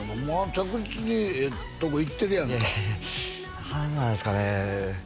着実にええとこいってるやんかいやいやいや何なんですかね